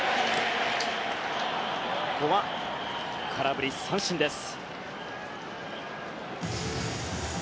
ここは空振り三振です。